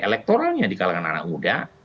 elektoralnya di kalangan anak muda